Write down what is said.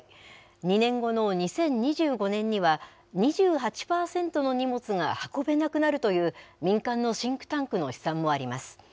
２年後の２０２５年には、２８％の荷物が運べなくなるという、民間のシンクタンクの試算もあります。